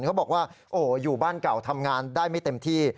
เขาบอกว่าโอ้โหอยู่บ้านเก่าทำงานได้ไม่เต็มที่